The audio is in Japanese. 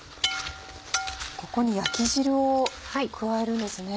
ここに焼き汁を加えるんですね。